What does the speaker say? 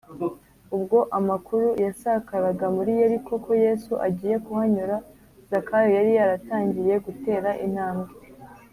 ubwo amakuru yasakaraga muri yeriko ko yesu agiye kuhanyura, zakayo yari yaratangiye gutera intambwe